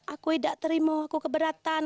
aku tidak terima aku keberatan